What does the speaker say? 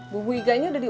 bumbu iganya udah diulek